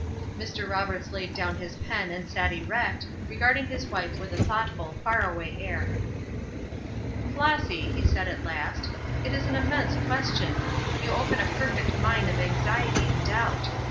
Mr. Roberts laid down his pen and sat erect, regarding his wife with a thoughtful, far away air. "Flossy," he said at last, "it is an immense question! You open a perfect mine of anxiety and doubt.